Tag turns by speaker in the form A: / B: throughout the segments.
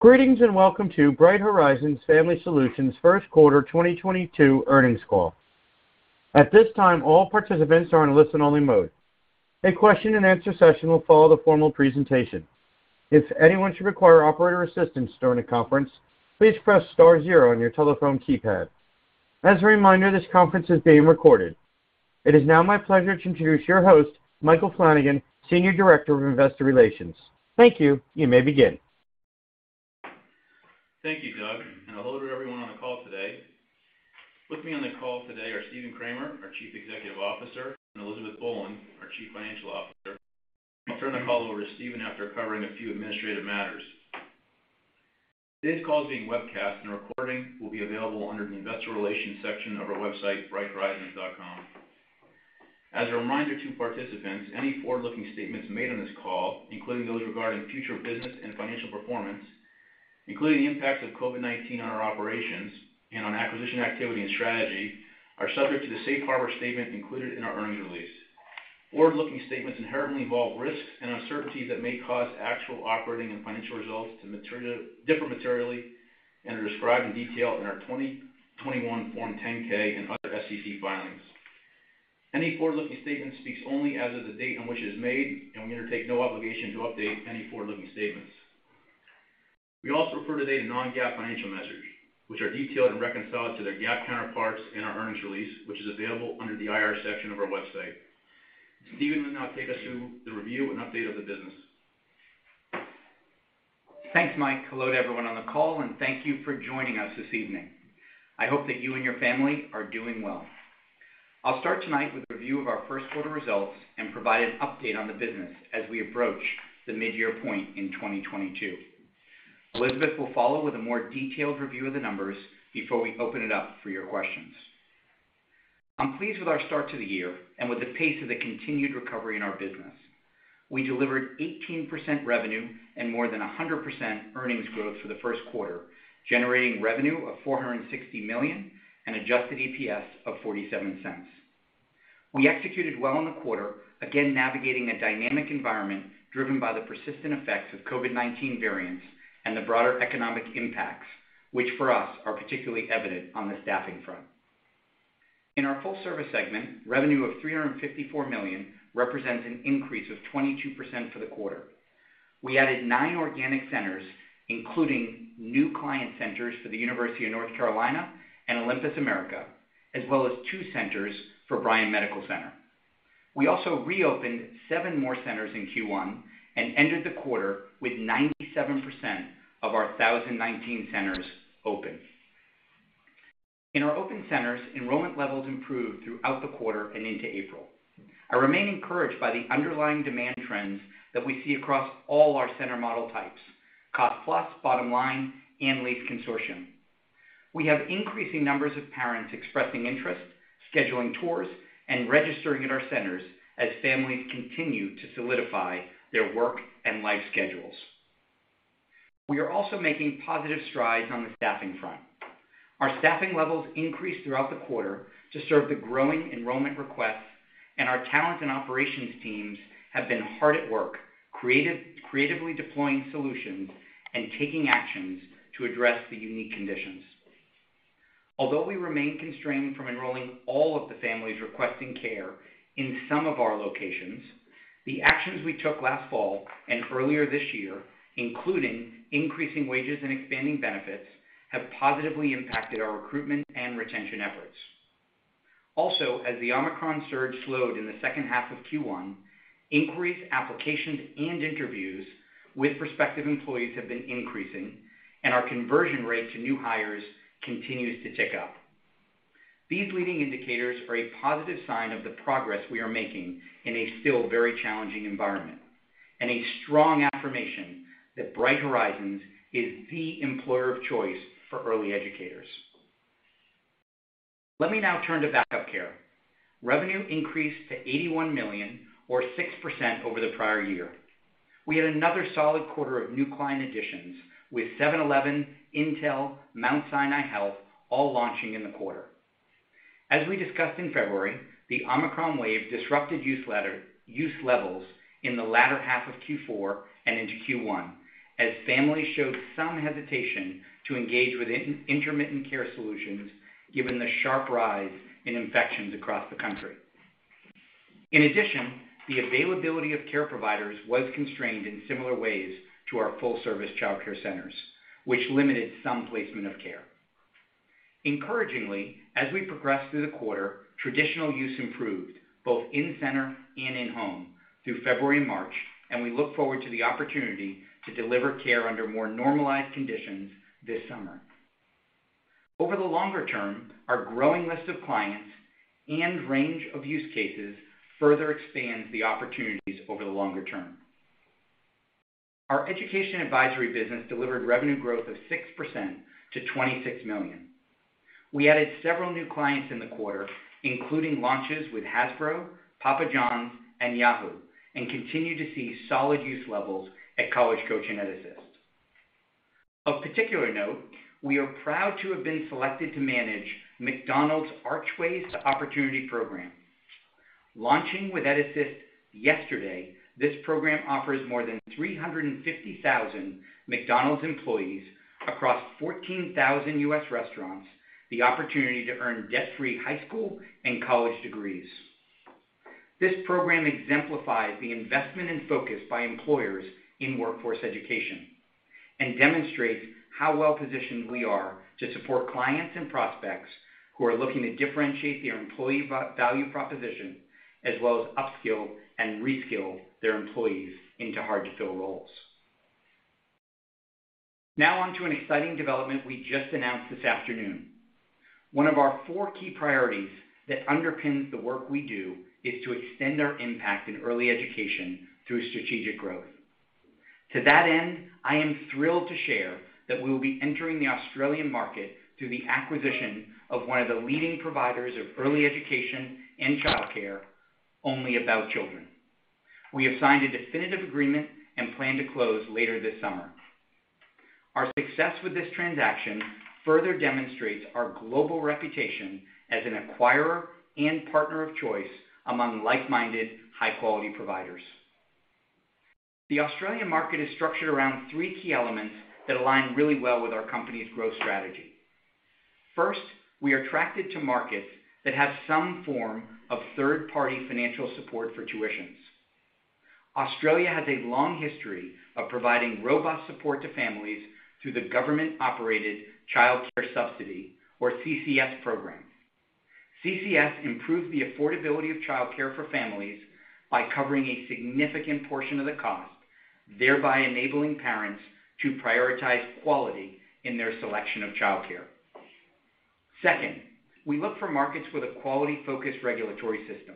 A: Greetings, and welcome to Bright Horizons Family Solutions Q1 2022 Earnings Call. At this time, all participants are in listen-only mode. A question-and-answer session will follow the formal presentation. If anyone should require operator assistance during the conference, please press star zero on your telephone keypad. As a reminder, this conference is being recorded. It is now my pleasure to introduce your host, Michael Flanagan, Senior Director of Investor Relations. Thank you. You may begin.
B: Thank you, Doug. Hello to everyone on the call today. With me on the call today are Stephen Kramer, our Chief Executive Officer, and Elizabeth Boland, our Chief Financial Officer. I'll turn the call over to Stephen after covering a few administrative matters. Today's call is being webcast, and a recording will be available under the Investor Relations section of our website, brighthorizons.com. As a reminder to participants, any forward-looking statements made on this call, including those regarding future business and financial performance, including the impacts of COVID-19 on our operations and on acquisition activity and strategy, are subject to the safe harbor statement included in our earnings release. Forward-looking statements inherently involve risks and uncertainties that may cause actual operating and financial results to differ materially and are described in detail in our 2021 Form 10-K and other SEC filings. Any forward-looking statement speaks only as of the date on which it is made, and we undertake no obligation to update any forward-looking statements. We also refer today to non-GAAP financial measures, which are detailed and reconciled to their GAAP counterparts in our earnings release, which is available under the IR section of our website. Stephen will now take us through the review and update of the business.
C: Thanks, Mike. Hello to everyone on the call, and thank you for joining us this evening. I hope that you and your family are doing well. I'll start tonight with a review of our Q1 results and provide an update on the business as we approach the mid-year point in 2022. Elizabeth will follow with a more detailed review of the numbers before we open it up for your questions. I'm pleased with our start to the year and with the pace of the continued recovery in our business. We delivered 18% revenue and more than 100% earnings growth for the Q1, generating revenue of $460 million and adjusted EPS of $0.47. We executed well in the quarter, again navigating a dynamic environment driven by the persistent effects of COVID-19 variants and the broader economic impacts, which for us are particularly evident on the staffing front. In our full-service segment, revenue of $354 million represents an increase of 22% for the quarter. We added nine organic centers, including new client centers for the University of North Carolina and Olympus America, as well as two centers for Bryan Medical Center. We also reopened seven more centers in Q1 and ended the quarter with 97 of our 1,019 centers open. In our open centers, enrollment levels improved throughout the quarter and into April. I remain encouraged by the underlying demand trends that we see across all our center model types, Cost-Plus, Bottom-Line, and lease Consortium. We have increasing numbers of parents expressing interest, scheduling tours, and registering at our centers as families continue to solidify their work and life schedules. We are also making positive strides on the staffing front. Our staffing levels increased throughout the quarter to serve the growing enrollment requests, and our talent and operations teams have been hard at work, creatively deploying solutions and taking actions to address the unique conditions. Although we remain constrained from enrolling all of the families requesting care in some of our locations, the actions we took last fall and earlier this year, including increasing wages and expanding benefits, have positively impacted our recruitment and retention efforts. Also, as the Omicron surge slowed in the second half of Q1, inquiries, applications, and interviews with prospective employees have been increasing, and our conversion rate to new hires continues to tick up. These leading indicators are a positive sign of the progress we are making in a still very challenging environment and a strong affirmation that Bright Horizons is the employer of choice for early educators. Let me now turn to Back-Up Care. Revenue increased to $81 million or 6% over the prior year. We had another solid quarter of new client additions, with 7-Eleven, Intel, Mount Sinai Health System all launching in the quarter. As we discussed in February, the Omicron wave disrupted utilization levels in the latter half of Q4 and into Q1 as families showed some hesitation to engage with interim care solutions given the sharp rise in infections across the country. In addition, the availability of care providers was constrained in similar ways to our full-service childcare centers, which limited some placement of care. Encouragingly, as we progressed through the quarter, traditional use improved both in-center and in-home through February and March, and we look forward to the opportunity to deliver care under more normalized conditions this summer. Over the longer term, our growing list of clients and range of use cases further expands the opportunities over the longer term. Our education advisory business delivered revenue growth of 6% to $26 million. We added several new clients in the quarter, including launches with Hasbro, Papa John's, and Yahoo, and continue to see solid use levels at College Coach and EdAssist. Of particular note, we are proud to have been selected to manage McDonald's Archways to Opportunity. Launching with EdAssist yesterday, this program offers more than 350,000 McDonald's employees across 14,000 U.S. restaurants the opportunity to earn debt-free high school and college degrees. This program exemplifies the investment and focus by employers in workforce education and demonstrates how well-positioned we are to support clients and prospects who are looking to differentiate their employee value proposition as well as upskill and reskill their employees into hard-to-fill roles. Now on to an exciting development we just announced this afternoon. One of our four key priorities that underpins the work we do is to extend our impact in early education through strategic growth. To that end, I am thrilled to share that we will be entering the Australian market through the acquisition of one of the leading providers of early education and childcare, Only About Children. We have signed a definitive agreement and plan to close later this summer. Our success with this transaction further demonstrates our global reputation as an acquirer and partner of choice among like-minded, high-quality providers. The Australian market is structured around three key elements that align really well with our company's growth strategy. First, we are attracted to markets that have some form of third-party financial support for tuitions. Australia has a long history of providing robust support to families through the government-operated Child Care Subsidy, or CCS program. CCS improves the affordability of childcare for families by covering a significant portion of the cost, thereby enabling parents to prioritize quality in their selection of childcare. Second, we look for markets with a quality-focused regulatory system.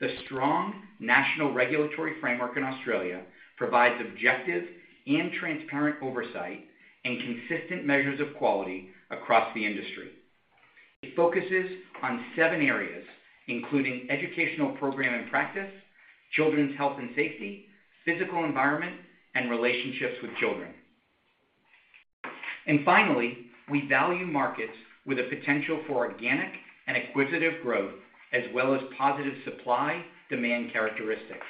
C: The strong national regulatory framework in Australia provides objective and transparent oversight and consistent measures of quality across the industry. It focuses on seven areas, including educational program and practice, children's health and safety, physical environment, and relationships with children. Finally, we value markets with a potential for organic and acquisitive growth as well as positive supply-demand characteristics.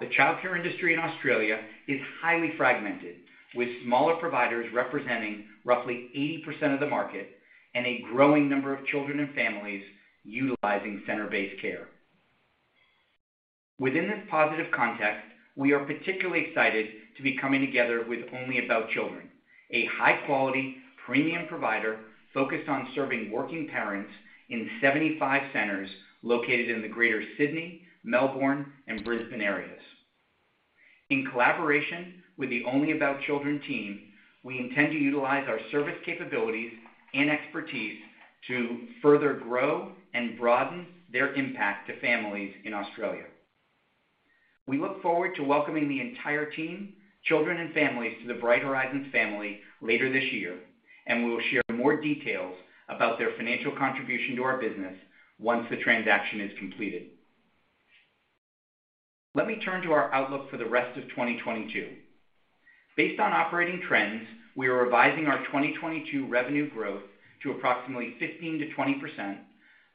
C: The childcare industry in Australia is highly fragmented, with smaller providers representing roughly 80% of the market and a growing number of children and families utilizing center-based care. Within this positive context, we are particularly excited to be coming together with Only About Children, a high-quality, premium provider focused on serving working parents in 75 centers located in the greater Sydney, Melbourne, and Brisbane areas. In collaboration with the Only About Children team, we intend to utilize our service capabilities and expertise to further grow and broaden their impact to families in Australia. We look forward to welcoming the entire team, children, and families to the Bright Horizons family later this year, and we will share more details about their financial contribution to our business once the transaction is completed. Let me turn to our outlook for the rest of 2022. Based on operating trends, we are revising our 2022 revenue growth to approximately 15%-20%,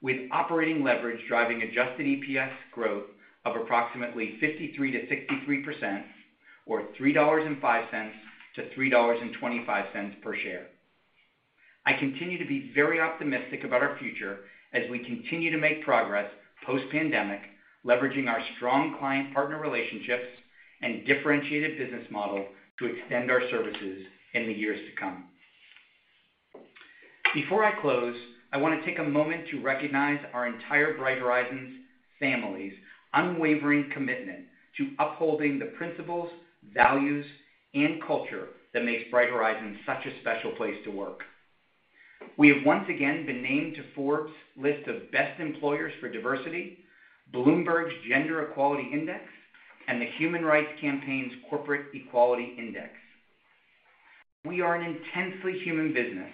C: with operating leverage driving adjusted EPS growth of approximately 53%-63% or $3.05-$3.25 per share. I continue to be very optimistic about our future as we continue to make progress post-pandemic, leveraging our strong client partner relationships and differentiated business model to extend our services in the years to come. Before I close, I want to take a moment to recognize our entire Bright Horizons family's unwavering commitment to upholding the principles, values, and culture that makes Bright Horizons such a special place to work. We have once again been named to Forbes' list of Best Employers for Diversity, Bloomberg's Gender-Equality Index, and the Human Rights Campaign's Corporate Equality Index. We are an intensely human business,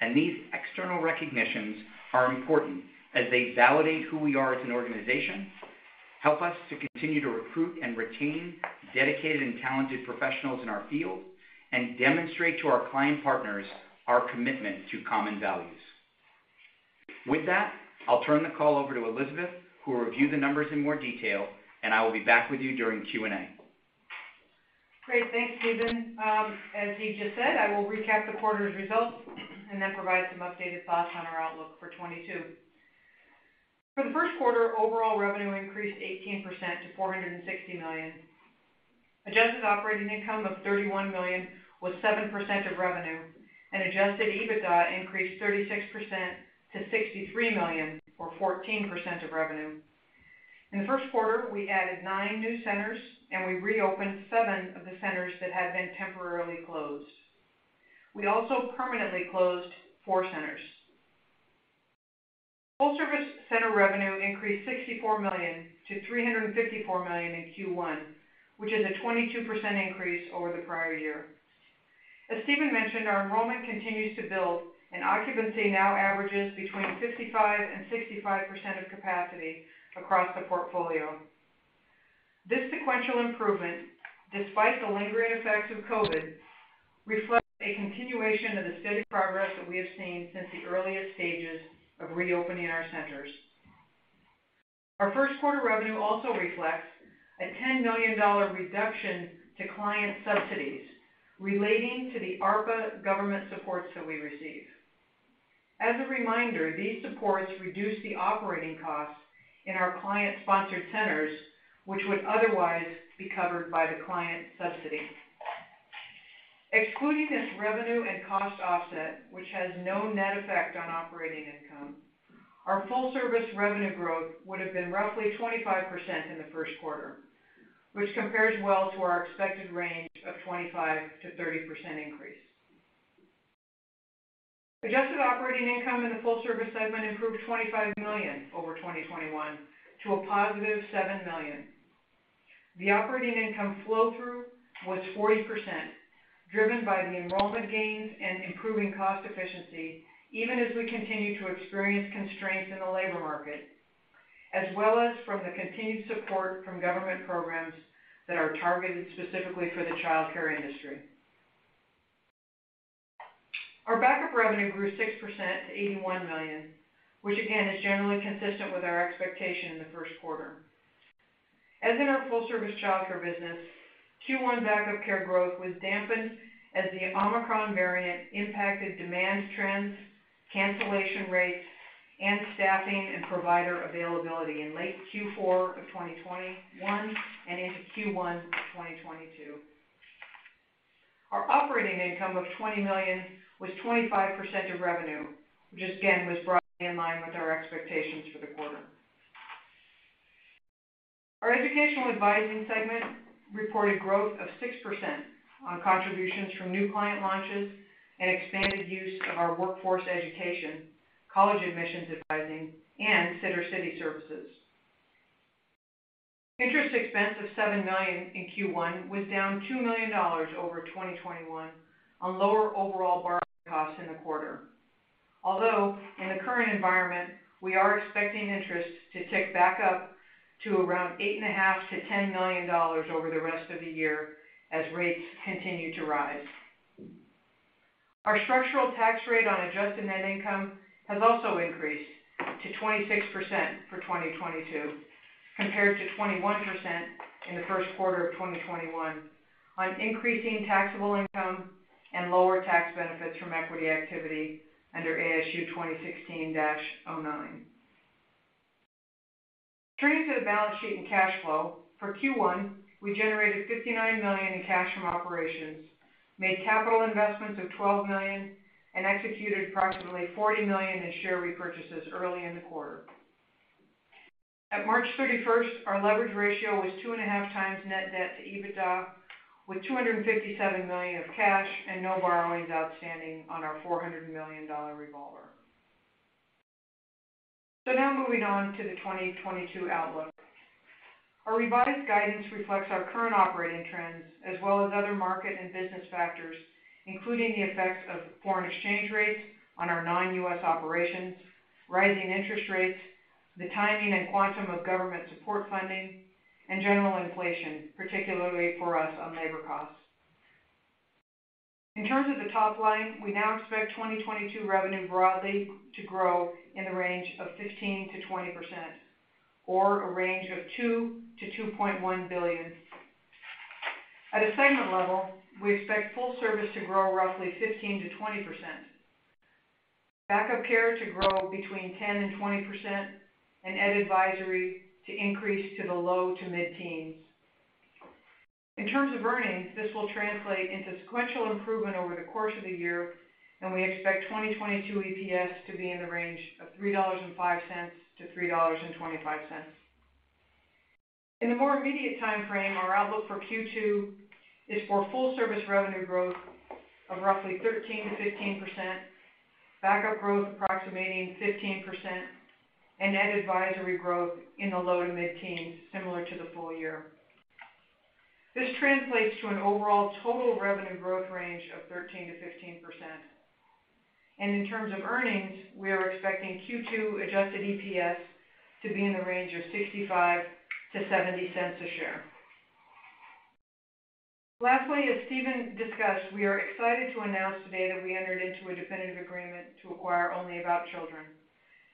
C: and these external recognitions are important as they validate who we are as an organization, help us to continue to recruit and retain dedicated and talented professionals in our field, and demonstrate to our client partners our commitment to common values. With that, I'll turn the call over to Elizabeth, who will review the numbers in more detail, and I will be back with you during Q&A.
D: Great. Thanks, Stephen. As Steve just said, I will recap the quarter's results and then provide some updated thoughts on our outlook for 2022. For the Q1, overall revenue increased 18% to $460 million. Adjusted operating income of $31 million was 7% of revenue, and adjusted EBITDA increased 36% to $63 million, or 14% of revenue. In the Q1, we added nine new centers, and we reopened seven of the centers that had been temporarily closed. We also permanently closed four centers. Full service center revenue increased $64 million to $354 million in Q1, which is a 22% increase over the prior year. As Stephen mentioned, our enrollment continues to build, and occupancy now averages between 55% and 65% of capacity across the portfolio. This sequential improvement, despite the lingering effects of COVID, reflects a continuation of the steady progress that we have seen since the earliest stages of reopening our centers. Our Q1 revenue also reflects a $10 million reduction to client subsidies relating to the ARPA government supports that we receive. As a reminder, these supports reduce the operating costs in our client-sponsored centers, which would otherwise be covered by the client subsidy. Excluding this revenue and cost offset, which has no net effect on operating income, our full-service revenue growth would have been roughly 25% in the Q1, which compares well to our expected range of 25%-30% increase. Adjusted operating income in the full-service segment improved $25 million over 2021 to a positive $7 million. The operating income flow-through was 40%, driven by the enrollment gains and improving cost efficiency, even as we continue to experience constraints in the labor market, as well as from the continued support from government programs that are targeted specifically for the childcare industry. Our backup revenue grew 6% to $81 million, which again, is generally consistent with our expectation in the Q1. As in our full-service childcare business, Q1 backup care growth was dampened as the Omicron variant impacted demand trends, cancellation rates, and staffing and provider availability in late Q4 of 2021 and into Q1 of 2022. Our operating income of $20 million was 25% of revenue, which again, was broadly in line with our expectations for the quarter. Our educational advising segment reported growth of 6% on contributions from new client launches and expanded use of our workforce education, college admissions advising, and Sittercity services. Interest expense of $7 million in Q1 was down $2 million over 2021 on lower overall borrowing costs in the quarter. Although in the current environment, we are expecting interest to tick back up to around $8.5 million-$10 million over the rest of the year as rates continue to rise. Our structural tax rate on adjusted net income has also increased to 26% for 2022, compared to 21% in the Q1 of 2021 on increasing taxable income and lower tax benefits from equity activity under ASU 2016-09. Turning to the balance sheet and cash flow, for Q1, we generated $59 million in cash from operations, made capital investments of $12 million, and executed approximately $40 million in share repurchases early in the quarter. At March 31, our leverage ratio was 2.5x net debt to EBITDA, with $257 million of cash and no borrowings outstanding on our $400 million revolver. Now moving on to the 2022 outlook. Our revised guidance reflects our current operating trends as well as other market and business factors, including the effects of foreign exchange rates on our non-U.S. operations, rising interest rates, the timing and quantum of government support funding, and general inflation, particularly for us on labor costs. In terms of the top line, we now expect 2022 revenue broadly to grow in the range of 15%-20% or a range of $2-$2.1 billion. At a segment level, we expect Full Service to grow roughly 15%-20%, Back-Up Care to grow between 10%-20%, and Ed Advisory to increase to the low to mid-teens. In terms of earnings, this will translate into sequential improvement over the course of the year, and we expect 2022 EPS to be in the range of $3.05-$3.25. In the more immediate time frame, our outlook for Q2 is for full-service revenue growth of roughly 13%-15%, back-up growth approximating 15%, and Ed Advisory growth in the low to mid-teens, similar to the full year. This translates to an overall total revenue growth range of 13%-15%. In terms of earnings, we are expecting Q2 adjusted EPS to be in the range of $0.65-$0.70 a share. Lastly, as Stephen discussed, we are excited to announce today that we entered into a definitive agreement to acquire Only About Children,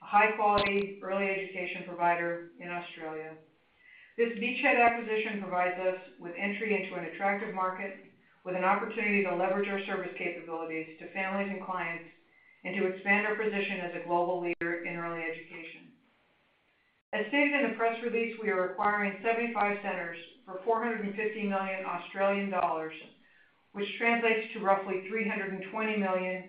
D: a high-quality early education provider in Australia. This beachhead acquisition provides us with entry into an attractive market with an opportunity to leverage our service capabilities to families and clients and to expand our position as a global leader in early education. As stated in the press release, we are acquiring 75 centers for 450 million Australian dollars, which translates to roughly $320 million.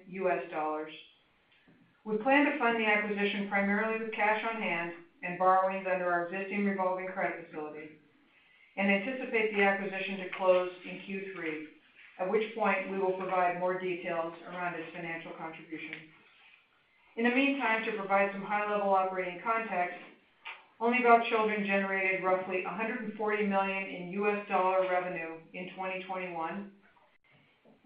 D: We plan to fund the acquisition primarily with cash on hand and borrowings under our existing revolving credit facility and anticipate the acquisition to close in Q3, at which point we will provide more details around its financial contribution. In the meantime, to provide some high-level operating context, Only About Children generated roughly $140 million in U.S. dollar revenue in 2021.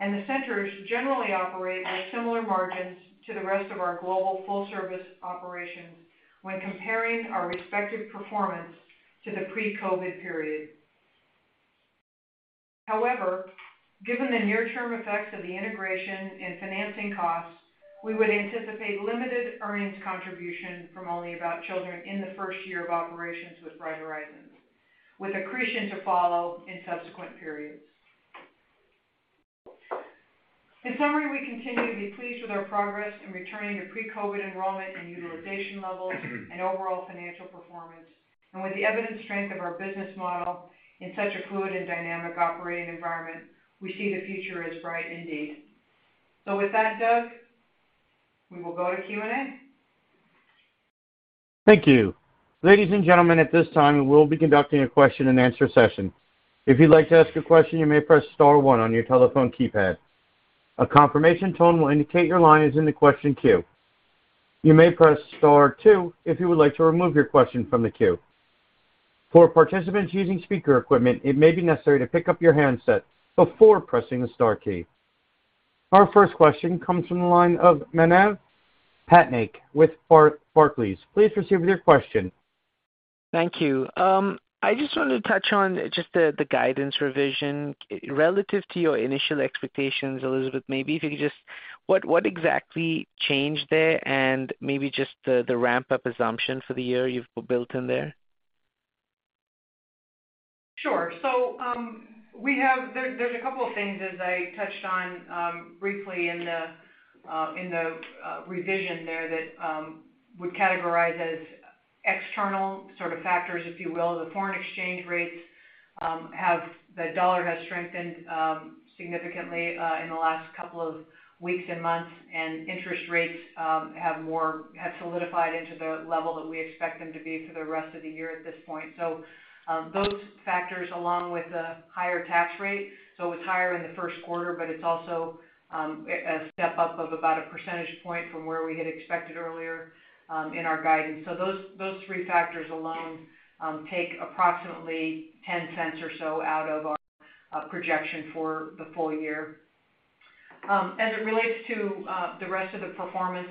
D: The centers generally operate at similar margins to the rest of our global full service operations when comparing our respective performance to the pre-COVID period. However, given the near-term effects of the integration and financing costs, we would anticipate limited earnings contribution from Only About Children in the first year of operations with Bright Horizons, with accretion to follow in subsequent periods. In summary, we continue to be pleased with our progress in returning to pre-COVID enrollment and utilization levels and overall financial performance. With the evident strength of our business model in such a fluid and dynamic operating environment, we see the future as bright indeed. With that, Doug, we will go to Q&A.
A: Thank you. Ladies and gentlemen, at this time, we will be conducting a question-and-answer session. If you'd like to ask a question, you may press star one on your telephone keypad. A confirmation tone will indicate your line is in the question queue. You may press star two if you would like to remove your question from the queue. For participants using speaker equipment, it may be necessary to pick up your handset before pressing the star key. Our first question comes from the line of Manav Patnaik with Barclays. Please proceed with your question.
E: Thank you. I just wanted to touch on just the guidance revision relative to your initial expectations, Elizabeth. What exactly changed there and maybe just the ramp up assumption for the year you've built in there?
D: Sure. There's a couple of things, as I touched on, briefly in the revision there that would categorize as external sort of factors, if you will. The foreign exchange rates have. The dollar has strengthened significantly in the last couple of weeks and months, and interest rates have solidified into the level that we expect them to be for the rest of the year at this point. Those factors, along with a higher tax rate, so it was higher in the Q1, but it's also a step up of about a percentage point from where we had expected earlier in our guidance. Those three factors alone take approximately $0.10 or so out of our projection for the full year. As it relates to the rest of the performance,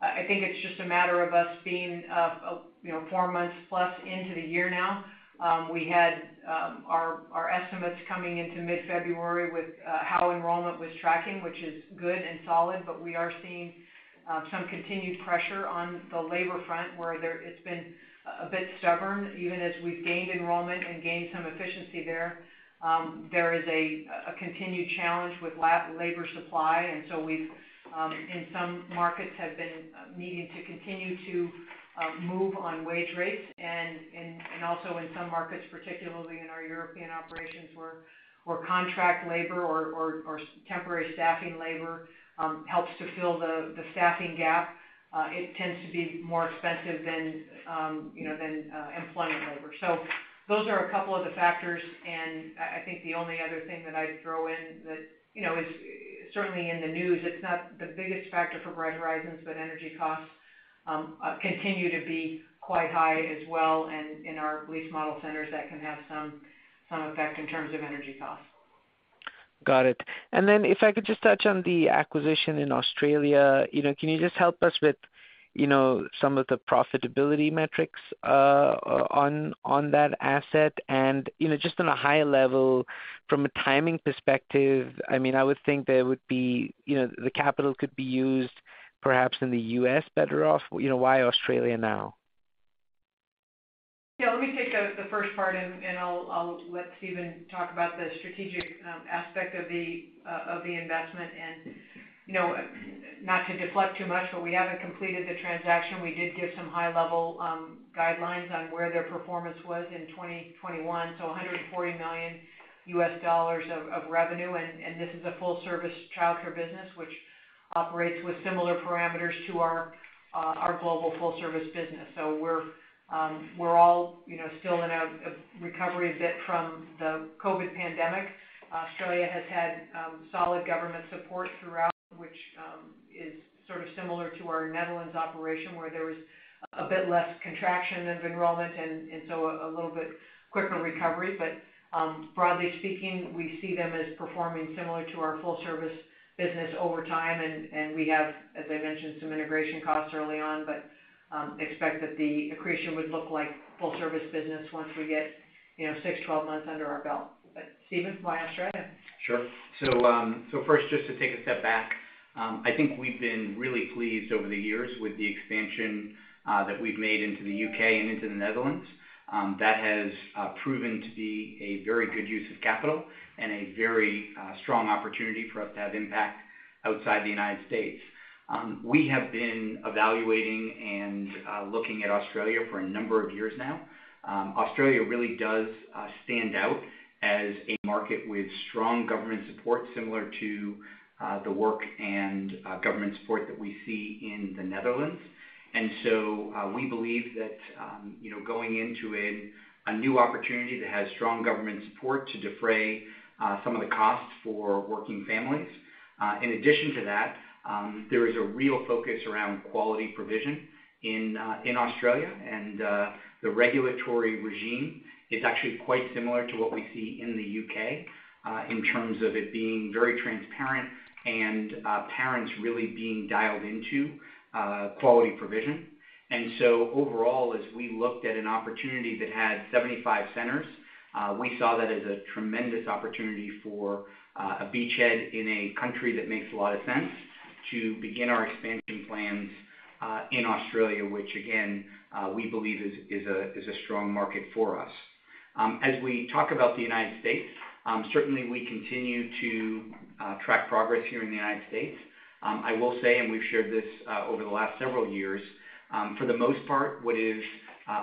D: I think it's just a matter of us being, you know, four months plus into the year now. We had our estimates coming into mid-February with how enrollment was tracking, which is good and solid, but we are seeing some continued pressure on the labor front, where it's been a bit stubborn. Even as we've gained enrollment and gained some efficiency there is a continued challenge with labor supply, and so we have, in some markets, been needing to continue to move on wage rates. Also in some markets, particularly in our European operations, where contract labor or temporary staffing labor helps to fill the staffing gap, it tends to be more expensive than, you know, employment labor. Those are a couple of the factors, and I think the only other thing that I'd throw in, that you know is certainly in the news. It's not the biggest factor for Bright Horizons, but energy costs continue to be quite high as well. In our lease model centers, that can have some effect in terms of energy costs.
E: Got it. If I could just touch on the acquisition in Australia. You know, can you just help us with, you know, some of the profitability metrics on that asset? You know, just on a high level, from a timing perspective, I mean, I would think there would be, you know, the capital could be used perhaps in the U.S. better off. You know, why Australia now?
D: Yeah. Let me take the first part, and I'll let Stephen talk about the strategic aspect of the investment. You know, not to deflect too much, but we haven't completed the transaction. We did give some high level guidelines on where their performance was in 2021, so $140 million of revenue, and this is a full service childcare business which operates with similar parameters to our global full service business. So we're all, you know, still in a bit of a recovery from the COVID pandemic. Australia has had solid government support throughout, which is sort of similar to our Netherlands operation, where there was a bit less contraction of enrollment and so a little bit quicker recovery. Broadly speaking, we see them as performing similar to our full service business over time. We have, as I mentioned, some integration costs early on, but expect that the accretion would look like full service business once we get, you know, six, 12 months under our belt. Stephen, why Australia?
C: Sure. First, just to take a step back, I think we've been really pleased over the years with the expansion that we've made into the UK and into the Netherlands. That has proven to be a very good use of capital and a very strong opportunity for us to have impact outside the United States. We have been evaluating and looking at Australia for a number of years now. Australia really does stand out as a market with strong government support, similar to the work and government support that we see in the Netherlands. We believe that, you know, going into a new opportunity that has strong government support to defray some of the costs for working families. In addition to that, there is a real focus around quality provision in Australia, and the regulatory regime is actually quite similar to what we see in the U.K., in terms of it being very transparent and parents really being dialed into quality provision. Overall, as we looked at an opportunity that had 75 centers, we saw that as a tremendous opportunity for a beachhead in a country that makes a lot of sense to begin our expansion plans in Australia, which again, we believe is a strong market for us. As we talk about the United States, certainly we continue to track progress here in the United States. I will say, and we've shared this over the last several years, for the most part, what is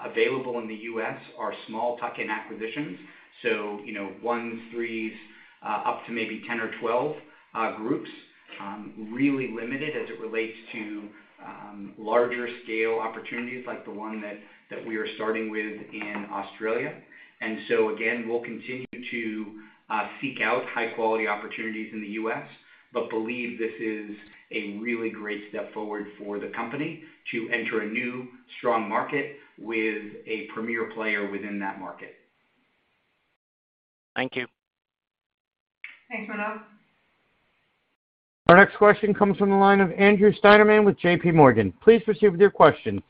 C: available in the U.S. are small tuck-in acquisitions. You know, one, three, up to maybe 10 or 12 groups, really limited as it relates to larger scale opportunities like the one that we are starting with in Australia. We'll continue to seek out high quality opportunities in the U.S., but believe this is a really great step forward for the company to enter a new strong market with a premier player within that market.
E: Thank you.
D: Thanks, Manav Patnaik.
A: Our next question comes from the line of Andrew Steinerman with J.P. Morgan. Please proceed with your question.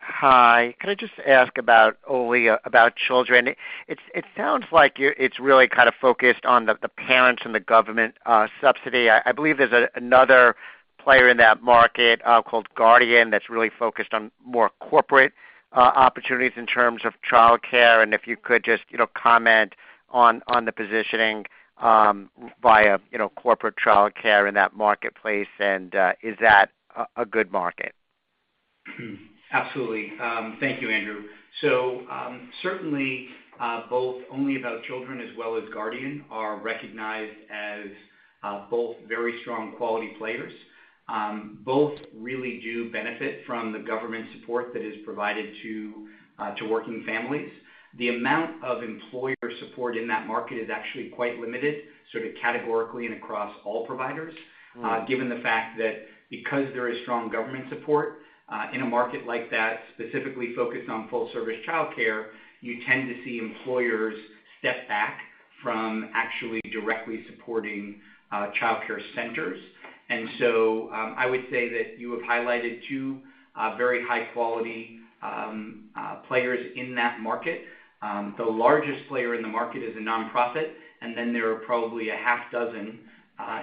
F: Hi. Could I just ask about Only About Children? It sounds like it's really kind of focused on the parents and the government subsidy. I believe there's another player in that market called Guardian that's really focused on more corporate opportunities in terms of childcare. If you could just you know comment on the positioning vis-à-vis you know corporate childcare in that marketplace, and is that a good market?
C: Absolutely. Thank you, Andrew. Certainly, both Only About Children as well as Guardian are recognized as both very strong quality players. Both really do benefit from the government support that is provided to working families. The amount of employer support in that market is actually quite limited, sort of categorically and across all providers, given the fact that because there is strong government support in a market like that specifically focused on full service childcare, you tend to see employers step back from actually directly supporting childcare centers. I would say that you have highlighted two very high quality players in that market. The largest player in the market is a nonprofit, and then there are probably a half dozen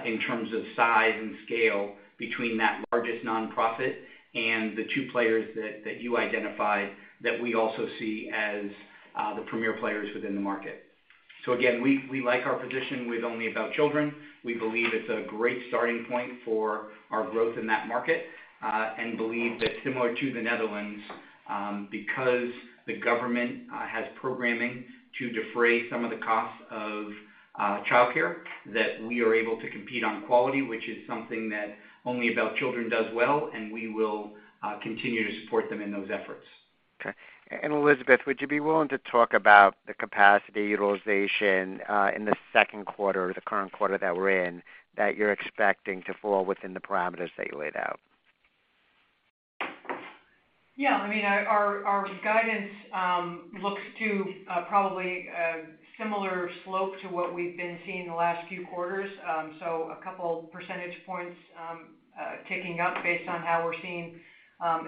C: in terms of size and scale between that largest nonprofit and the two players that you identified that we also see as the premier players within the market. Again, we like our position with Only About Children. We believe it's a great starting point for our growth in that market, and believe that similar to the Netherlands, because the government has programming to defray some of the costs of childcare, that we are able to compete on quality, which is something that Only About Children does well, and we will continue to support them in those efforts.
F: Okay. Elizabeth, would you be willing to talk about the capacity utilization in the Q2, the current quarter that we're in, that you're expecting to fall within the parameters that you laid out?
D: Yeah. I mean, our guidance looks to probably a similar slope to what we've been seeing the last few quarters. A couple percentage points ticking up based on how we're seeing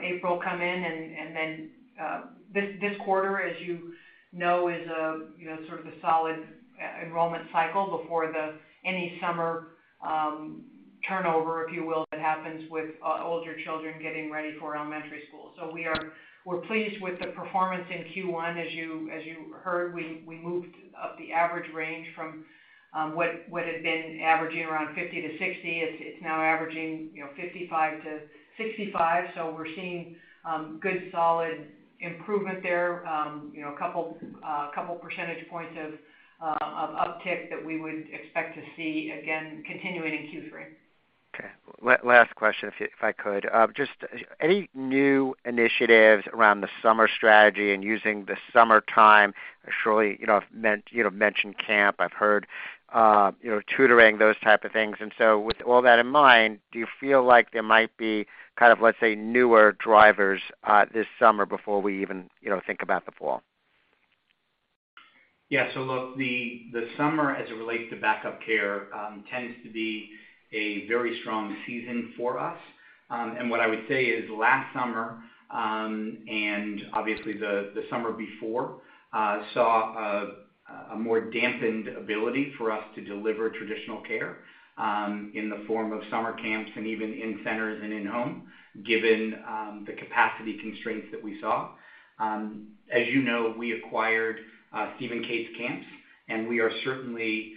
D: April come in. This quarter, as you know, is, you know, sort of a solid enrollment cycle before any summer turnover, if you will, that happens with older children getting ready for elementary school. We're pleased with the performance in Q1. As you heard, we moved up the average range from what had been averaging around 50%-60%. It's now averaging, you know, 55%-65%. We're seeing good solid improvement there. You know, a couple percentage points of uptick that we would expect to see again continuing in Q3.
F: Okay. Last question if I could. Just any new initiatives around the summer strategy and using the summertime? Surely, you know, mentioned camp, I've heard, you know, tutoring, those type of things. With all that in mind, do you feel like there might be kind of, let's say, newer drivers, this summer before we even, you know, think about the fall?
C: Yeah. Look, the summer as it relates to backup care tends to be a very strong season for us. What I would say is last summer and obviously the summer before saw a more dampened ability for us to deliver traditional care in the form of summer camps and even in centers and in-home, given the capacity constraints that we saw. As you know, we acquired Steve & Kate's Camp, and we are certainly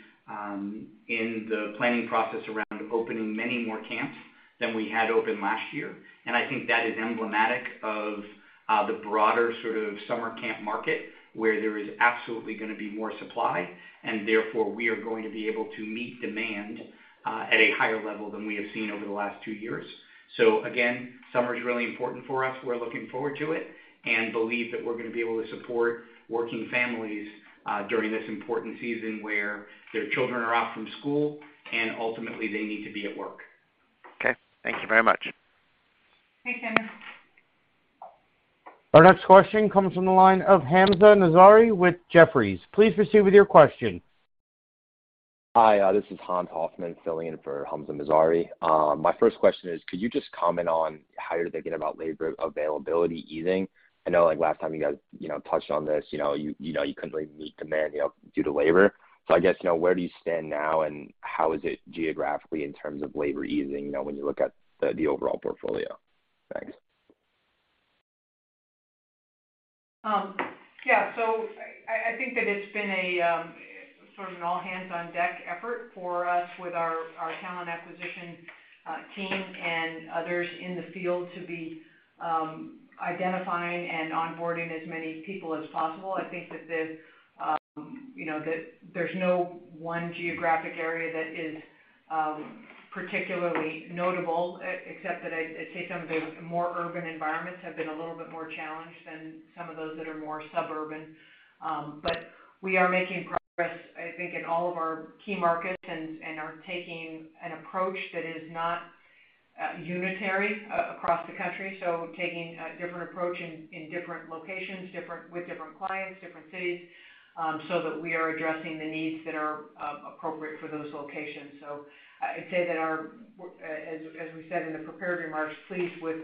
C: in the planning process around opening many more camps than we had opened last year. I think that is emblematic of the broader sort of summer camp market where there is absolutely gonna be more supply and therefore we are going to be able to meet demand at a higher level than we have seen over the last two years. Again, summer is really important for us. We're looking forward to it and believe that we're gonna be able to support working families during this important season where their children are off from school and ultimately they need to be at work.
F: Okay. Thank you very much.
D: Thanks, Andrew.
A: Our next question comes from the line of Hamzah Mazari with Jefferies. Please proceed with your question.
G: Hi, this is Josh Chan filling in for Hamzah Mazari. My first question is, could you just comment on how you're thinking about labor availability easing? I know, like, last time you guys, you know, touched on this. You know, you couldn't really meet demand, you know, due to labor. I guess, you know, where do you stand now, and how is it geographically in terms of labor easing, you know, when you look at the overall portfolio? Thanks.
D: I think that it's been a sort of an all hands on deck effort for us with our talent acquisition team and others in the field to be identifying and onboarding as many people as possible. I think that you know that there's no one geographic area that is particularly notable, except that I'd say some of the more urban environments have been a little bit more challenged than some of those that are more suburban. We are making progress, I think, in all of our key markets and are taking an approach that is not unitary across the country. Taking a different approach in different locations with different clients, different cities, so that we are addressing the needs that are appropriate for those locations. I'd say that as we said in the prepared remarks, pleased with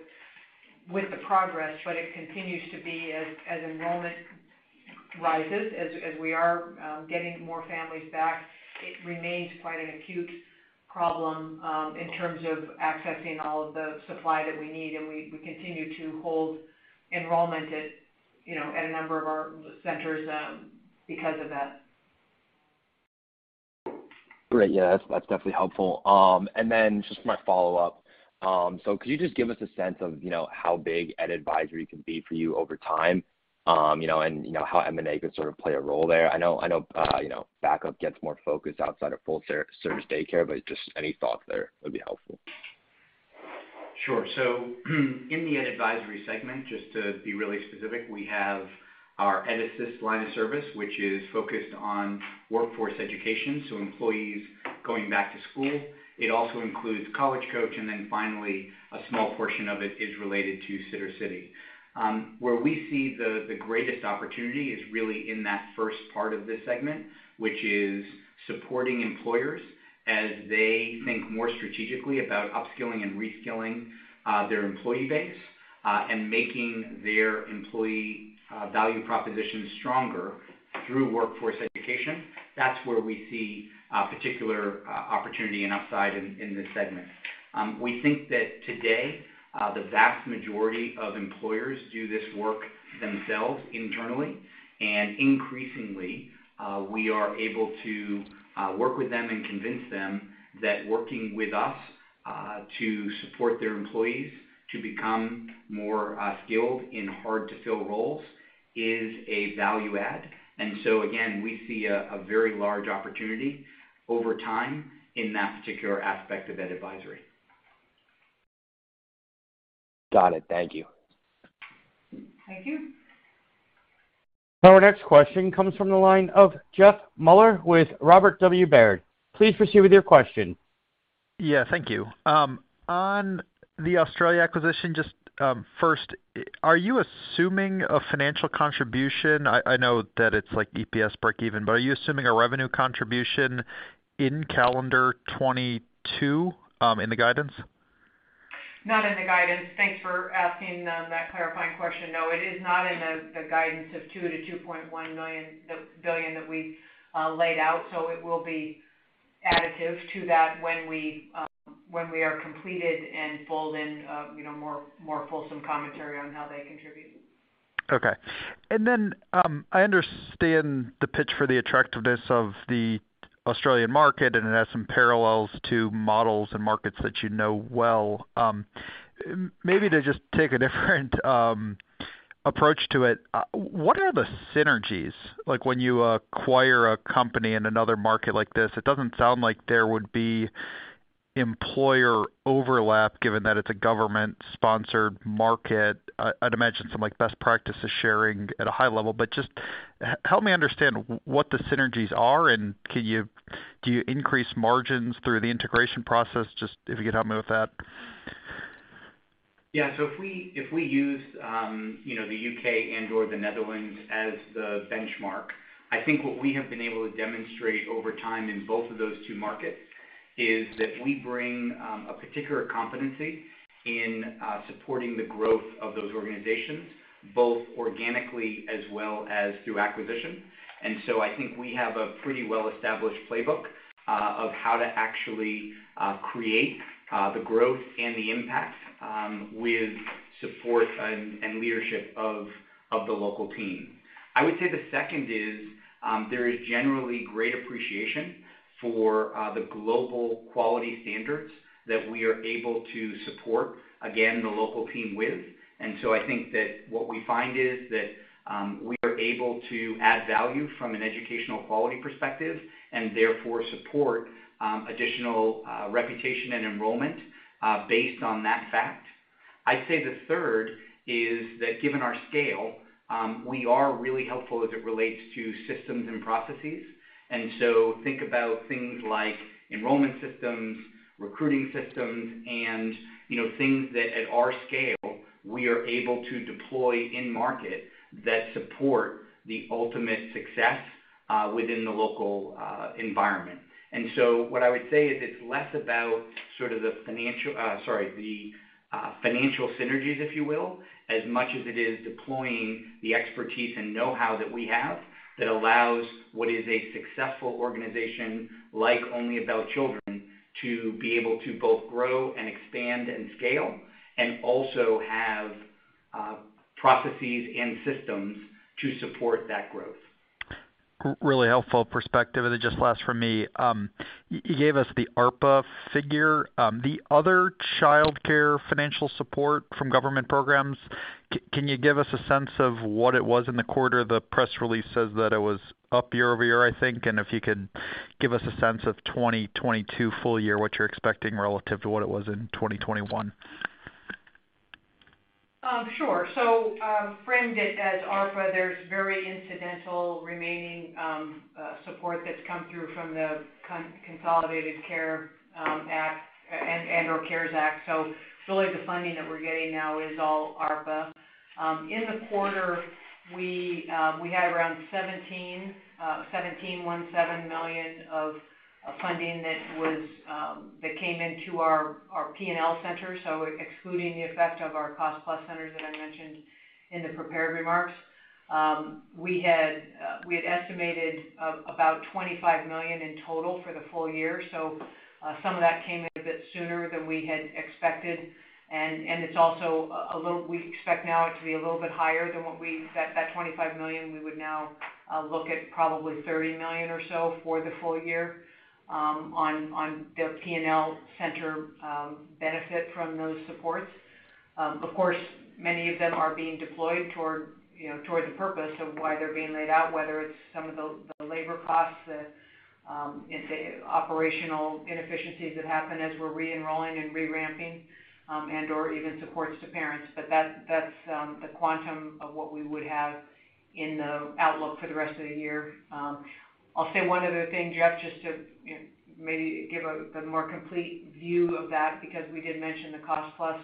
D: the progress, but it continues to be as enrollment rises, as we are getting more families back, it remains quite an acute problem in terms of accessing all of the supply that we need. We continue to hold enrollment at, you know, at a number of our centers because of that.
G: Great. Yeah, that's definitely helpful. Just my follow-up. Could you just give us a sense of, you know, how big Ed Advisory could be for you over time, you know, and you know, how M&A could sort of play a role there? I know, you know, Back-Up gets more focused outside of full service daycare, but just any thought there would be helpful.
C: Sure. In the Ed Advisory segment, just to be really specific, we have our EdAssist line of service, which is focused on workforce education, so employees going back to school. It also includes College Coach, and then finally, a small portion of it is related to Sittercity. Where we see the greatest opportunity is really in that first part of this segment, which is supporting employers as they think more strategically about upskilling and reskilling their employee base and making their employee value proposition stronger through workforce education. That's where we see a particular opportunity and upside in this segment. We think that today the vast majority of employers do this work themselves internally. Increasingly, we are able to work with them and convince them that working with us to support their employees to become more skilled in hard-to-fill roles is a value add. Again, we see a very large opportunity over time in that particular aspect of Ed Advisory.
G: Got it. Thank you.
D: Thank you.
A: Our next question comes from the line of Jeffrey Meuler with Robert W. Baird. Please proceed with your question.
H: Yeah. Thank you. On the Australia acquisition, just first, are you assuming a financial contribution? I know that it's like EPS breakeven, but are you assuming a revenue contribution in calendar 2022 in the guidance?
D: Not in the guidance. Thanks for asking that clarifying question. No, it is not in the guidance of $2 billion-$2.1 billion that we laid out. It will be additive to that when we are completed and fold in you know more fulsome commentary on how they contribute.
H: Okay. I understand the pitch for the attractiveness of the Australian market, and it has some parallels to models and markets that you know well. Maybe to just take a different approach to it, what are the synergies like when you acquire a company in another market like this? It doesn't sound like there would be employer overlap, given that it's a government-sponsored market. I'd imagine some, like, best practices sharing at a high level. Just help me understand what the synergies are, and do you increase margins through the integration process? Just if you could help me with that.
C: Yeah. If we use, you know, the U.K. and/or the Netherlands as the benchmark, I think what we have been able to demonstrate over time in both of those two markets is that we bring a particular competency in supporting the growth of those organizations, both organically as well as through acquisition. I think we have a pretty well-established playbook of how to actually create the growth and the impact with support and leadership of the local team. I would say the second is there is generally great appreciation for the global quality standards that we are able to support, again, the local team with. I think that what we find is that we are able to add value from an educational quality perspective and therefore support additional reputation and enrollment based on that fact. I'd say the third is that given our scale we are really helpful as it relates to systems and processes. Think about things like enrollment systems, recruiting systems and you know things that at our scale we are able to deploy in market that support the ultimate success within the local environment. What I would say is it's less about sort of the financial synergies, if you will, as much as it is deploying the expertise and know-how that we have that allows what is a successful organization like Only About Children to be able to both grow and expand and scale, and also have processes and systems to support that growth.
H: Really helpful perspective. Just last from me, you gave us the ARPA figure. The other child care financial support from government programs, can you give us a sense of what it was in the quarter? The press release says that it was up year-over-year, I think. If you could give us a sense of 2022 full year, what you're expecting relative to what it was in 2021.
D: Sure. Framed it as ARPA, there's very incidental remaining support that's come through from the Consolidated Appropriations Act and/or CARES Act. Really the funding that we're getting now is all ARPA. In the quarter, we had around $17.7 million of funding that came into our P&L center. Excluding the effect of our Cost-Plus centers that I mentioned in the prepared remarks, we had estimated about $25 million in total for the full year. Some of that came in a bit sooner than we had expected. It's also a little, we expect now it to be a little bit higher than what we expected. That $25 million, we would now look at probably $30 million or so for the full year, on the P&L center benefit from those supports. Of course, many of them are being deployed toward, you know, toward the purpose of why they're being laid out, whether it's some of the labor costs, the operational inefficiencies that happen as we're re-enrolling and re-ramping, and/or even supports to parents. That's the quantum of what we would have in the outlook for the rest of the year. I'll say one other thing, Jeff, just to, you know, maybe give a more complete view of that, because we did mention the Cost-Plus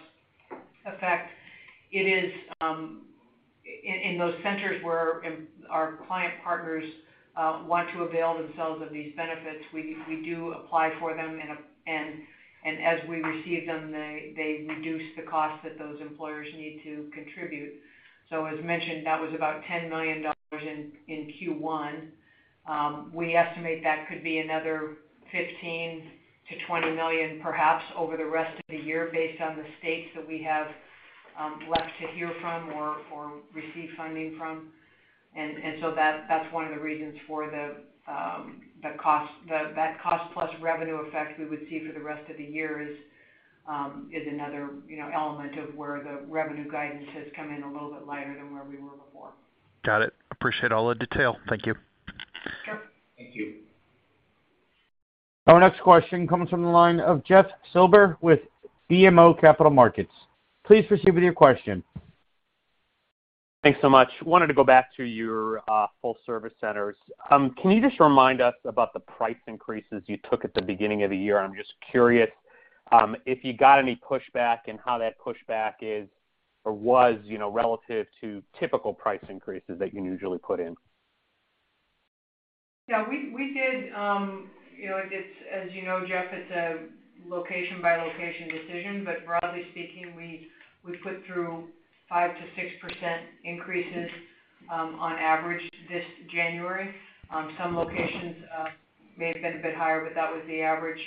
D: effect. It is in those centers where our client partners want to avail themselves of these benefits, we do apply for them. As we receive them, they reduce the cost that those employers need to contribute. As mentioned, that was about $10 million in Q1. We estimate that could be another $15 million-$20 million perhaps over the rest of the year based on the states that we have left to hear from or receive funding from. That's one of the reasons for the cost plus revenue effect we would see for the rest of the year is another, you know, element of where the revenue guidance has come in a little bit lighter than where we were before.
H: Got it. Appreciate all the detail. Thank you.
D: Sure.
C: Thank you.
A: Our next question comes from the line of Jeffrey Silber with BMO Capital Markets. Please proceed with your question.
I: Thanks so much. Wanted to go back to your full service centers. Can you just remind us about the price increases you took at the beginning of the year? I'm just curious if you got any pushback and how that pushback is or was, you know, relative to typical price increases that you usually put in.
D: Yeah. We did, you know, as you know, Jeff, it's a location-by-location decision. Broadly speaking, we put through 5%-6% increases on average this January. Some locations may have been a bit higher, but that was the average.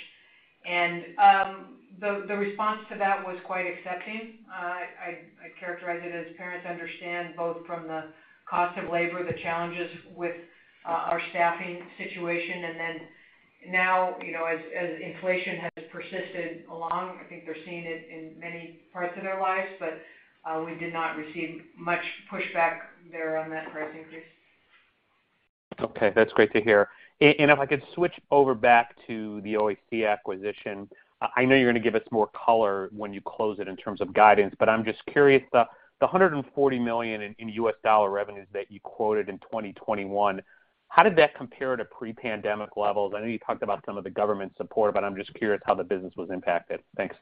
D: The response to that was quite accepting. I characterize it as parents understand both from the cost of labor, the challenges with our staffing situation. Now, you know, as inflation has persisted along, I think they're seeing it in many parts of their lives, but we did not receive much pushback there on that price increase.
I: Okay. That's great to hear. If I could switch over back to the OAC acquisition. I know you're gonna give us more color when you close it in terms of guidance, but I'm just curious, the $140 million in U.S. dollar revenues that you quoted in 2021, how did that compare to pre-pandemic levels? I know you talked about some of the government support, but I'm just curious how the business was impacted. Thanks.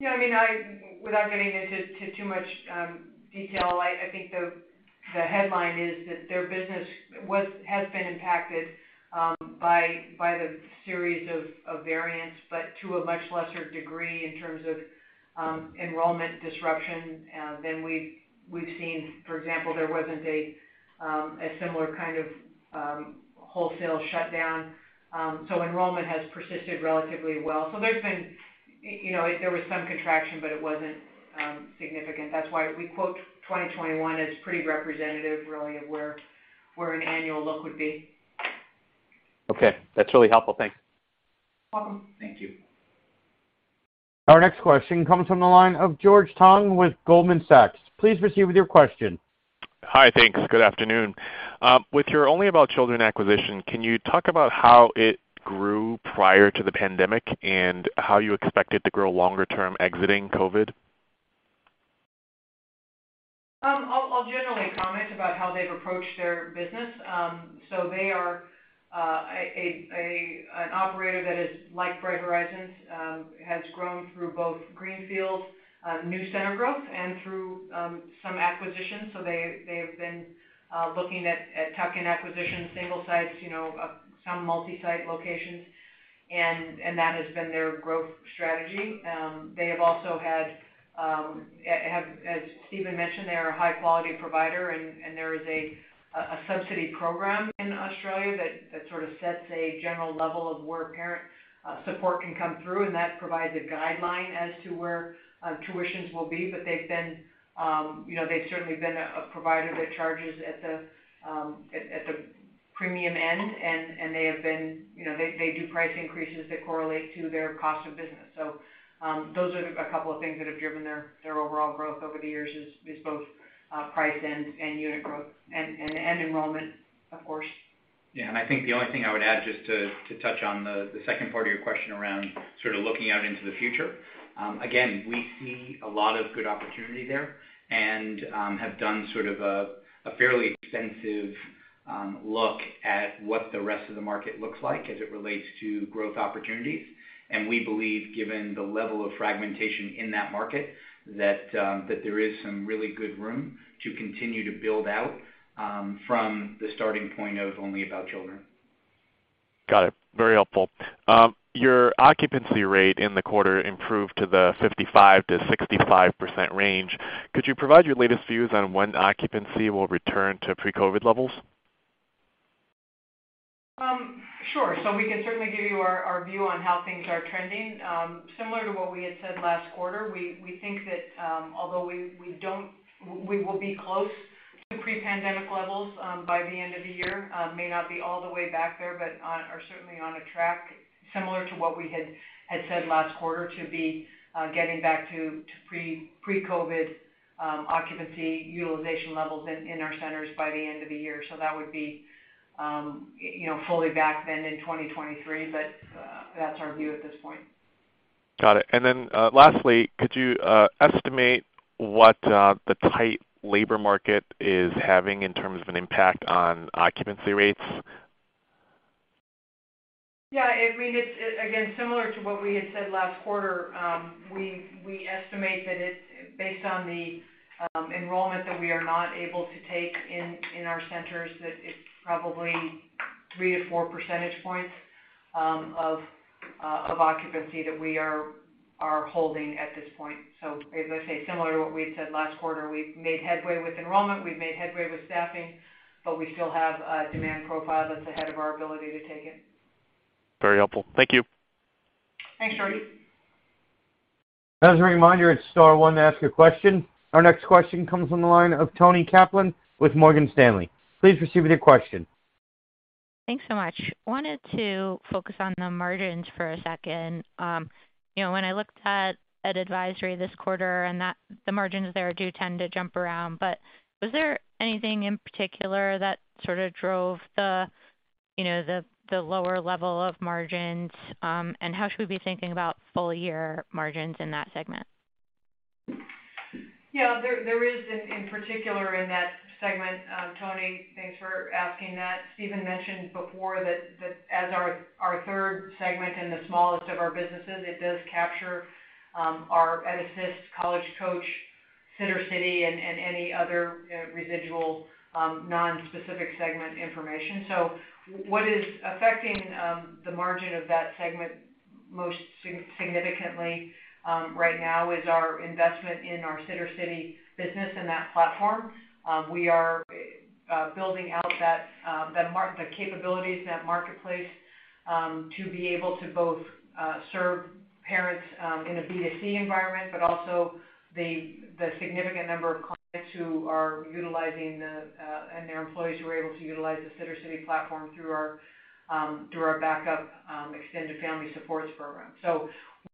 D: Yeah, I mean, without getting into too much detail, I think the headline is that their business has been impacted by the series of variants, but to a much lesser degree in terms of enrollment disruption than we've seen. For example, there wasn't a similar kind of wholesale shutdown. Enrollment has persisted relatively well. There was some contraction, but it wasn't significant. That's why we quote 2021 as pretty representative really of where an annual look would be.
I: Okay. That's really helpful. Thanks.
D: Welcome.
C: Thank you.
A: Our next question comes from the line of George Tong with Goldman Sachs. Please proceed with your question.
J: Hi. Thanks. Good afternoon. With your Only About Children acquisition, can you talk about how it grew prior to the pandemic and how you expect it to grow longer term exiting COVID?
D: I'll generally comment about how they've approached their business. They are an operator that is, like Bright Horizons, has grown through both greenfield new center growth and through some acquisitions. They've been looking at tuck-in acquisitions, single sites, you know, some multi-site locations, and that has been their growth strategy. As Stephen mentioned, they are a high-quality provider, and there is a subsidy program in Australia that sort of sets a general level of where parent support can come through, and that provides a guideline as to where tuitions will be. They've been, you know, they've certainly been a provider that charges at the premium end, and they have been, you know, they do price increases that correlate to their cost of business. Those are a couple of things that have driven their overall growth over the years, is both price and unit growth and enrollment, of course.
C: Yeah. I think the only thing I would add, just to touch on the second part of your question around sort of looking out into the future, again, we see a lot of good opportunity there and have done sort of a fairly extensive look at what the rest of the market looks like as it relates to growth opportunities. We believe, given the level of fragmentation in that market, that there is some really good room to continue to build out from the starting point of Only About Children.
J: Got it. Very helpful. Your occupancy rate in the quarter improved to the 55%-65% range. Could you provide your latest views on when occupancy will return to pre-COVID levels?
D: Sure. We can certainly give you our view on how things are trending. Similar to what we had said last quarter, we think that we will be close to pre-pandemic levels by the end of the year. May not be all the way back there, but we are certainly on a track similar to what we had said last quarter to be getting back to pre-COVID occupancy utilization levels in our centers by the end of the year. That would be, you know, fully back then in 2023, but that's our view at this point.
J: Got it. Lastly, could you estimate what the tight labor market is having in terms of an impact on occupancy rates?
D: I mean, it's again similar to what we had said last quarter. We estimate that it's based on the enrollment that we are not able to take in our centers, that it's probably 3-4 percentage points of occupancy that we are holding at this point. As I say, similar to what we had said last quarter, we've made headway with enrollment, we've made headway with staffing, but we still have a demand profile that's ahead of our ability to take it.
J: Very helpful. Thank you.
D: Thanks, George Tong.
A: As a reminder, it's star one to ask a question. Our next question comes from the line of Toni Kaplan with Morgan Stanley. Please proceed with your question.
K: Thanks so much. Wanted to focus on the margins for a second. You know, when I looked at Ed Advisory this quarter and that the margins there do tend to jump around, but was there anything in particular that sort of drove the, you know, lower level of margins? And how should we be thinking about full year margins in that segment?
D: Yeah. There is in particular in that segment, Toni, thanks for asking that. Stephen mentioned before that as our third segment and the smallest of our businesses, it does capture our EdAssist, College Coach, Sittercity, and any other, you know, residual non-specific segment information. What is affecting the margin of that segment most significantly right now is our investment in our Sittercity business and that platform. We are building out the capabilities in that marketplace to be able to both serve parents in a B2C environment, but also the significant number of clients who are utilizing it and their employees who are able to utilize the Sittercity platform through our back-up extended family supports program.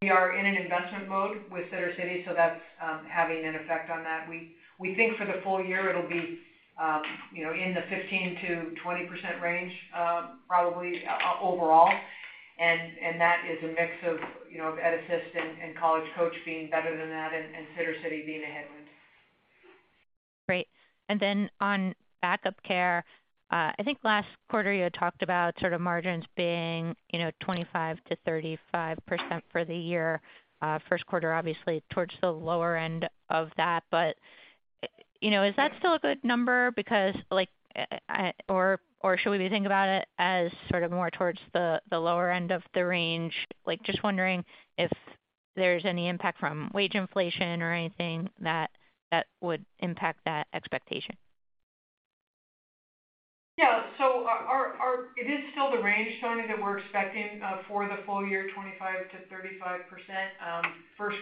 D: We are in an investment mode with Sittercity, so that's having an effect on that. We think for the full year it'll be, you know, in the 15%-20% range, probably overall. That is a mix of, you know, EdAssist and College Coach being better than that and Sittercity being a headwind.
K: Great. On backup care, I think last quarter you had talked about sort of margins being, you know, 25%-35% for the year. Q1 obviously towards the lower end of that. You know, is that still a good number because like, or should we be thinking about it as sort of more towards the lower end of the range? Like, just wondering if there's any impact from wage inflation or anything that would impact that expectation.
D: It is still the range, Toni, that we're expecting for the full year, 25%-35%.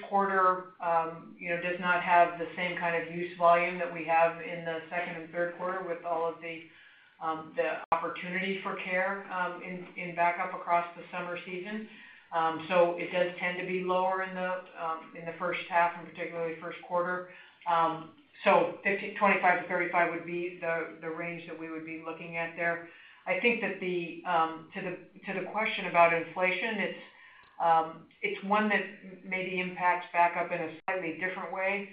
D: Q1 does not have the same kind of use volume that we have in the second and Q3 with all of the opportunity for care in backup across the summer season. It does tend to be lower in the first half and particularly Q1. 25%-35% would be the range that we would be looking at there. I think that to the question about inflation, it's one that maybe impacts backup in a slightly different way,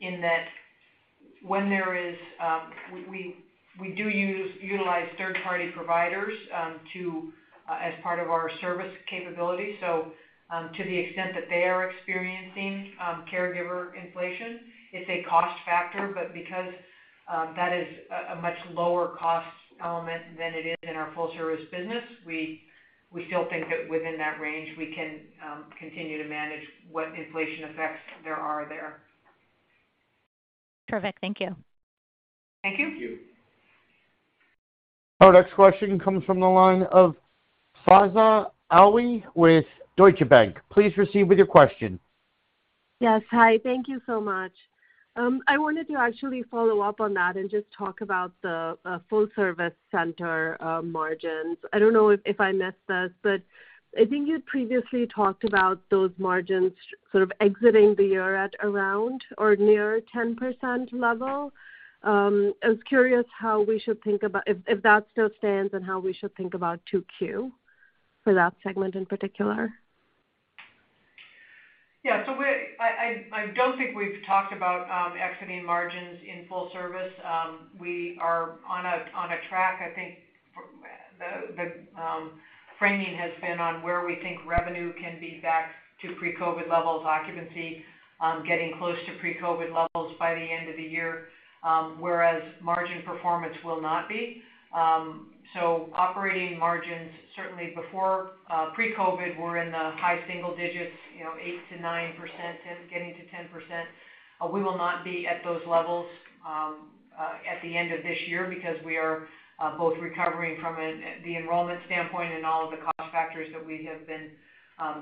D: in that when there is, we utilize third-party providers to, as part of our service capability. To the extent that they are experiencing caregiver inflation, it's a cost factor, but because that is a much lower cost element than it is in our full service business, we still think that within that range, we can continue to manage what inflation effects there are there.
K: Perfect. Thank you.
D: Thank you.
C: Thank you.
A: Our next question comes from the line of Faiza Alwy with Deutsche Bank. Please proceed with your question.
L: Yes. Hi. Thank you so much. I wanted to actually follow up on that and just talk about the full service center margins. I don't know if I missed this, but I think you'd previously talked about those margins sort of exiting the year at around or near 10% level. I was curious how we should think about if that still stands, and how we should think about 2Q for that segment in particular.
D: Yeah. I don't think we've talked about exiting margins in full service. We are on a track. I think the framing has been on where we think revenue can be back to pre-COVID levels, occupancy getting close to pre-COVID levels by the end of the year, whereas margin performance will not be. Operating margins, certainly before pre-COVID, were in the high single digits, you know, 8%-9%, getting to 10%. We will not be at those levels at the end of this year because we are both recovering from the enrollment standpoint and all of the cost factors that we have been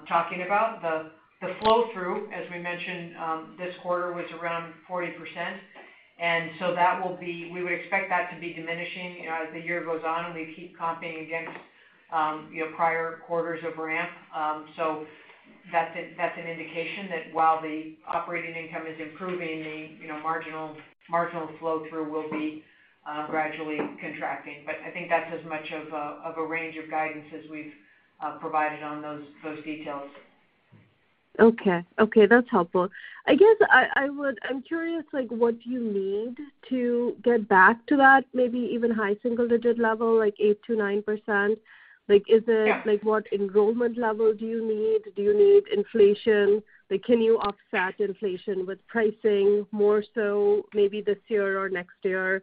D: talking about. The flow through, as we mentioned, this quarter, was around 40%. That will be... We would expect that to be diminishing, you know, as the year goes on, and we keep comping against, you know, prior quarters of ramp. That's an indication that while the operating income is improving, the, you know, marginal flow through will be gradually contracting. I think that's as much of a range of guidance as we've provided on those details.
L: Okay. Okay, that's helpful. I guess I would. I'm curious, like, what do you need to get back to that maybe even high single-digit level, like 8%-9%? Like, is it-
D: Yeah.
L: Like, what enrollment level do you need? Do you need inflation? Like, can you offset inflation with pricing more so maybe this year or next year?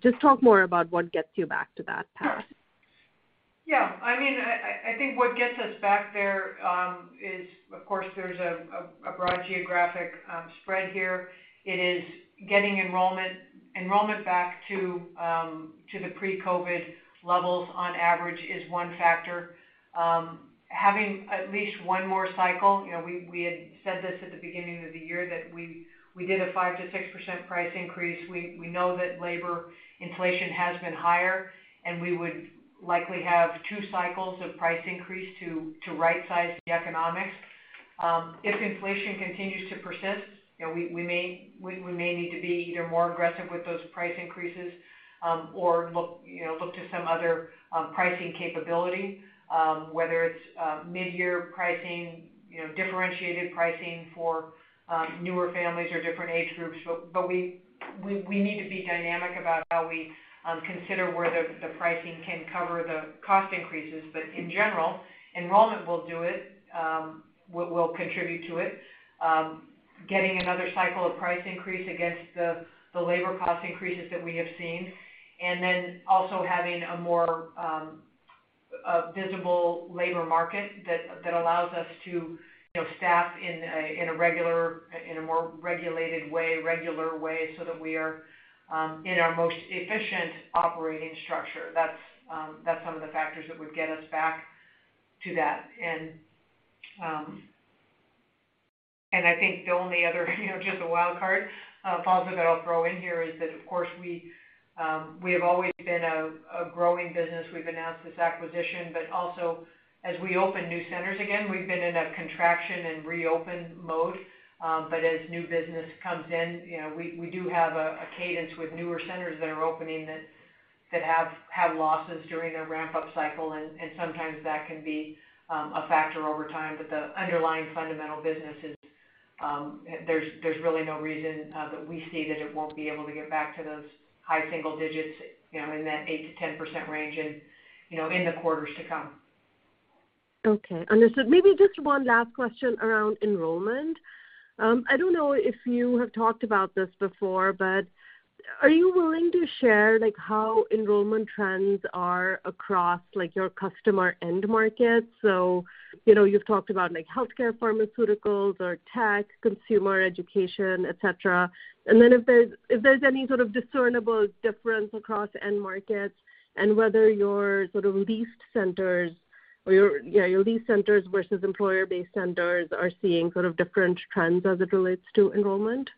L: Just talk more about what gets you back to that path.
D: Yeah. Yeah. I mean, I think what gets us back there is of course there's a broad geographic spread here. It is getting enrollment back to the pre-COVID levels on average is one factor. Having at least one more cycle. You know, we had said this at the beginning of the year that we did a 5%-6% price increase. We know that labor inflation has been higher, and we would likely have two cycles of price increase to right size the economics. If inflation continues to persist, you know, we may need to be either more aggressive with those price increases or look to some other pricing capability, whether it's mid-year pricing, you know, differentiated pricing for newer families or different age groups. We need to be dynamic about how we consider where the pricing can cover the cost increases. In general, enrollment will do it, will contribute to it. Getting another cycle of price increase against the labor cost increases that we have seen. Also having a more visible labor market that allows us to, you know, staff in a more regulated way, so that we are in our most efficient operating structure. That's some of the factors that would get us back to that. I think the only other, you know, just a wild card that I'll throw in here is that of course we have always been a growing business. We've announced this acquisition, but also as we open new centers, again, we've been in a contraction and reopen mode. As new business comes in, you know, we do have a cadence with newer centers that are opening that have had losses during a ramp-up cycle and sometimes that can be a factor over time. The underlying fundamental business is, there's really no reason that we see that it won't be able to get back to those high single digits, you know, in that 8%-10% range and, you know, in the quarters to come.
L: Okay, understood. Maybe just one last question around enrollment. I don't know if you have talked about this before, but are you willing to share, like, how enrollment trends are across, like, your customer end markets? You know, you've talked about like healthcare, pharmaceuticals or tech, consumer education, et cetera. If there's any sort of discernible difference across end markets and whether your sort of leased centers versus employer-based centers are seeing sort of different trends as it relates to enrollment.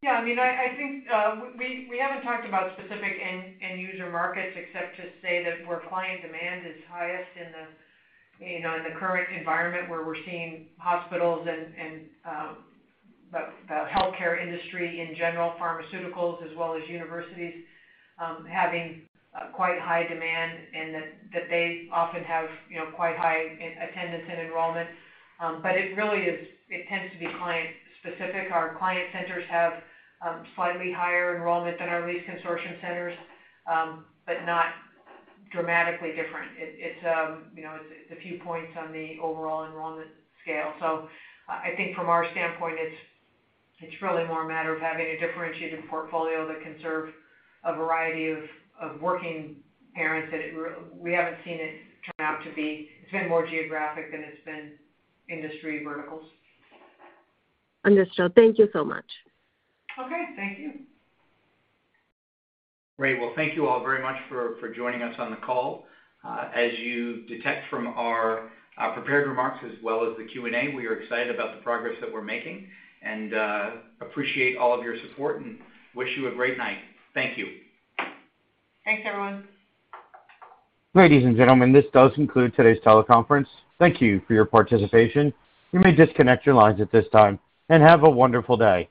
D: Yeah, I mean, I think we haven't talked about specific end user markets except to say that where client demand is highest in the current environment where we're seeing hospitals and the healthcare industry in general, pharmaceuticals as well as universities, having quite high demand and that they often have you know quite high attendance and enrollment. But it really is. It tends to be client specific. Our client centers have slightly higher enrollment than our Lease Consortium centers, but not dramatically different. It's a few points on the overall enrollment scale. I think from our standpoint it's really more a matter of having a differentiated portfolio that can serve a variety of working parents. We haven't seen it turn out to be. It's been more geographic than it's been industry verticals.
L: Understood. Thank you so much.
D: Okay, thank you.
C: Great. Well, thank you all very much for joining us on the call. As you detect from our prepared remarks as well as the Q&A, we are excited about the progress that we're making and appreciate all of your support and wish you a great night. Thank you.
D: Thanks, everyone.
A: Ladies and gentlemen, this does conclude today's teleconference. Thank you for your participation. You may disconnect your lines at this time, and have a wonderful day.